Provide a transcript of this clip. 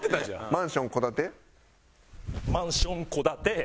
マンション戸建て？